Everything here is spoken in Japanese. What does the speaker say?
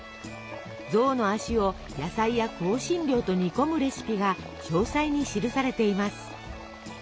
象の足を野菜や香辛料と煮込むレシピが詳細に記されています。